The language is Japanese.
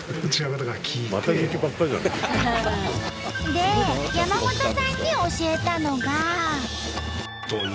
で山本さんに教えたのが。